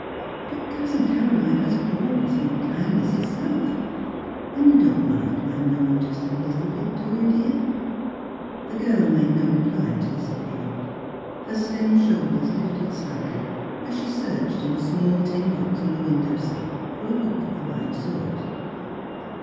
But Cousin Caroline has always been kindness itself. And you don't mind my knowing just a little bit, do you, dear?" The girl made no reply to this ap peal; her slim shoulders lifted slightly as she searched in a small tin box on the window sill for a hook of the right sort.